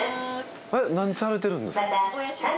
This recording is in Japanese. え何されてるんですか？